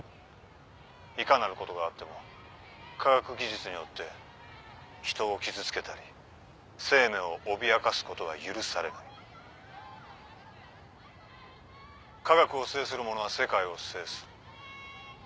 「いかなることがあっても科学技術によって人を傷つけたり生命を脅かすことは許されない」「科学を制する者は世界を制す」